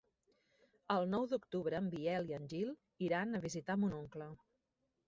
El nou d'octubre en Biel i en Gil iran a visitar mon oncle.